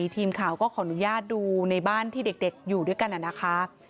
ทีมข่าวก็ขออนุญาตดูในบ้านที่เด็กอยู่ด้วยกันนะคะ